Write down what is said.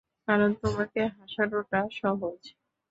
কারণ, তোমাকে হাসানোটা সহজ!